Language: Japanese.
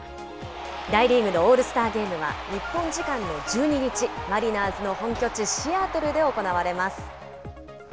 大リーグのオールスターゲームは、日本時間の１２日、マリナーズの本拠地、シアトルで行われます。